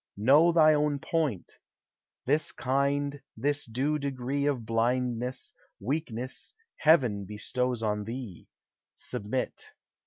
Know thy own point: This kind, this due degree Of blindness, weakness, Heaven bestows on thee. Submit.